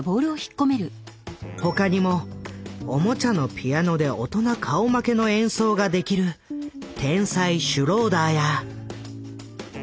他にもおもちゃのピアノで大人顔負けの演奏ができる天才シュローダーや。